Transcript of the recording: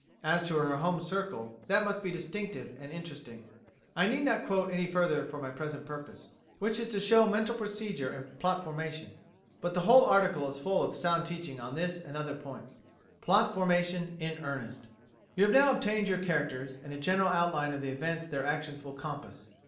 As to her home circle, that must be distinctive and interesting."[43:A] I need not quote any further for my present purpose, which is to show mental procedure in plot formation; but the whole article is full of sound teaching on this and other points. Plot Formation in Earnest You have now obtained your characters, and a general outline of the events their actions will compass.